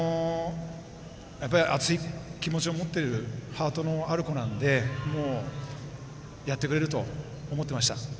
熱い気持ちを持ってるハートのある子なのでやってくれると思ってました。